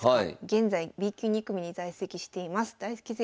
現在Ｂ級２組に在籍しています大介先生。